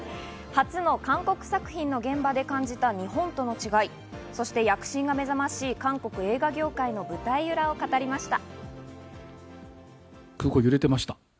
初の韓国作品の現場で感じた日本との違い、そして躍進が目覚しい韓国映画業界の舞台裏を語りました。